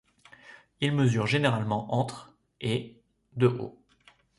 Il mesure généralement entre et de haut.